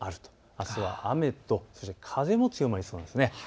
あすは雨とそして風も強まりそうです。